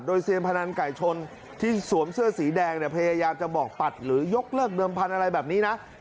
โดยเซียนพนันไก่ชนที่สวมเสื้อสีแดงเนี่ยพยายามจะบอกปัดหรือยกเลิกเดิมพันธุ์อะไรแบบนี้นะ